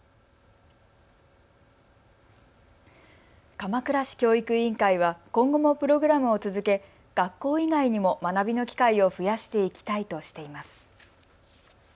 鎌倉市教育委員会は今後もプログラムを続け学校以外にも学びの機会を増やしていきたいとしています。